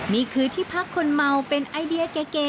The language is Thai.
นี่คือที่พักคนเมาเป็นไอเดียเก๋